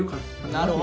なるほど。